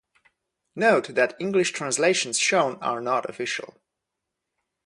Note that English translations shown are not official.